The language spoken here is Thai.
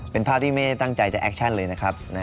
เป็นภาพที่ไม่ได้ตั้งใจจะแอคชั่นเลยนะครับ